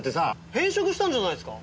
変色したんじゃないですか？